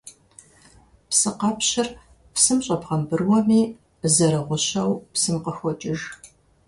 Псыкъэпщыр псым щӀэбгъэмбрыуэми, зэрыгъущэу псым къыхокӀыж.